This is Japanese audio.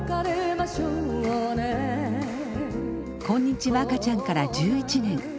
「こんにちは赤ちゃん」から１１年。